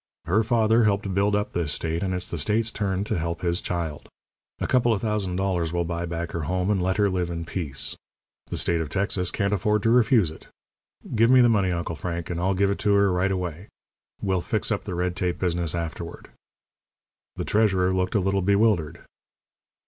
Her father helped build up this state, and it's the state's turn to help his child. A couple of thousand dollars will buy back her home and let her live in peace. The State of Texas can't afford to refuse it. Give me the money, Uncle Frank, and I'll give it to her right away. We'll fix up the red tape business afterward." The treasurer looked a little bewildered.